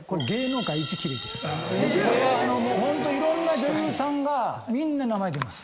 ホントいろんな女優さんがみんな名前出ます。